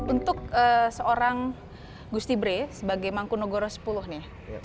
untuk seorang gusti bre sebagai mangkunagara ke sepuluh nih